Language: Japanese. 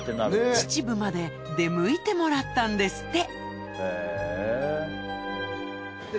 秩父まで出向いてもらったんですってたりなかったら。